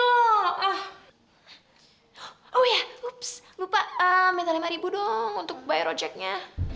oh ya lupa minta rp lima dong untuk bayar ojeknya